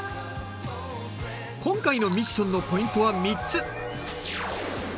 今回のミッションのポイントは３つ。